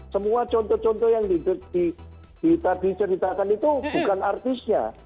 semua contoh contoh yang diceritakan itu bukan artisnya